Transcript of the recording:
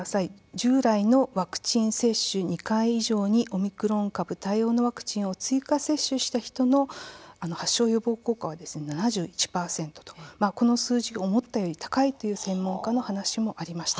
従来のワクチン接種２回以上にオミクロン株対応のワクチンを追加接種した人の発症予防効果は７１％と、この数字思ったより高いという専門家の話もありました。